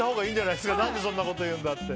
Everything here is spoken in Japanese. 何でそんなこと言うんだって。